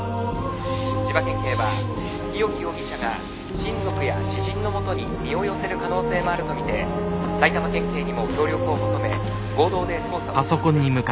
千葉県警は日置容疑者が親族や知人のもとに身を寄せる可能性もあると見て埼玉県警にも協力を求め合同で捜査を続けています。